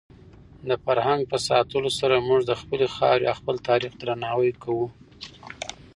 د فرهنګ په ساتلو سره موږ د خپلې خاورې او خپل تاریخ درناوی کوو.